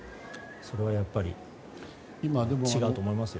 それはやっぱり違うと思いますよ。